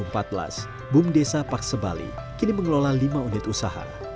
pada tahun dua ribu empat belas bum desa paksebali kini mengelola lima unit usaha